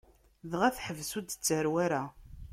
Dɣa, teḥbes ur d-tettarew ara.